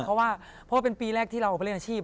เพราะว่าเป็นปีแรกที่เราไปเล่นอาชีพ